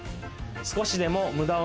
少しでも無駄を